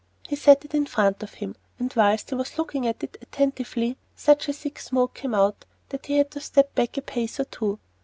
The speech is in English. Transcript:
He set it in front of him, and whilst he was looking at it attentively, such a thick smoke came out that he had to step back a pace or two.